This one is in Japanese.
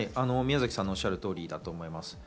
宮崎さんのおっしゃる通りだと思います。